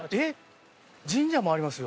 神社もありますよ。